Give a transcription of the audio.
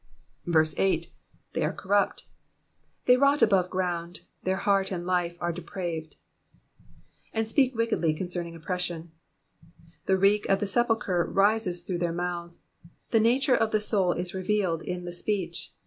8. *'7%tf.y are corrupt.'*'' They rot above ground ; their heart and life are depraved. ^/wi speak wickedly concerning oppremon.''^ The reek of the sepulchre rises through their mouths ; the nature of the soul is revealed in the speech.